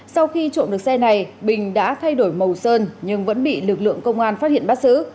sau khi trộm được xe này bình đã thay đổi màu sơn nhưng vẫn bị lực lượng công an phát hiện bắt giữ